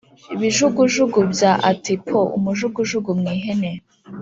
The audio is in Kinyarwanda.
Bijugujugu bya ati po !!!!-Umujugujugu mu ihene.